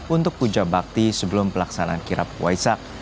untuk puja bakti sebelum pelaksanaan kirap waisak